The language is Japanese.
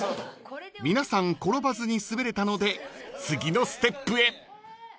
［皆さん転ばずに滑れたので次のステップへ］